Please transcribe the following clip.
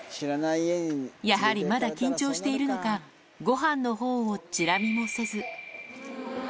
やはりまだ緊張しているのか、ごはんのほうをちら見もせず。